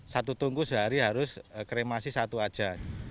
satu tungku sehari harus kremasi satu aja